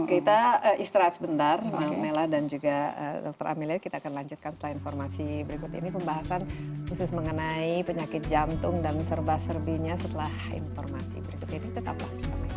kita istirahat sebentar mela dan juga dr amelia kita akan lanjutkan setelah informasi berikut ini pembahasan khusus mengenai penyakit jantung dan serba serbinya setelah informasi berikut ini tetaplah